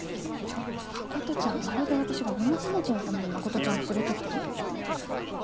ちょっと真ちゃんまるで私が荷物持ちのために真ちゃんを連れて来たみたいじゃないですか。